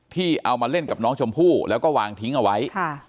ที่เอามาเล่นกับน้องชมพู่แล้วก็วางทิ้งเอาไว้